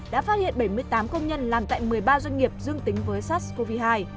đã phát hiện bảy mươi tám công nhân làm tại một mươi ba doanh nghiệp dương tính với sars cov hai